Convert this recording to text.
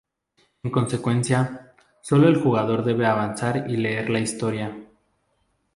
En consecuencia, sólo el jugador debe avanzar y leer la historia.